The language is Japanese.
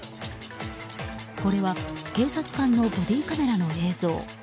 これは警察官のボディーカメラの映像。